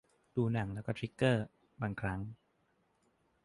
ดูหนังแล้วก็ทริกเกอร์ บางครั้ง